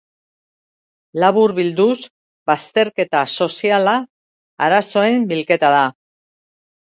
Laburbilduz, bazterketa soziala, arazoen bilketa da.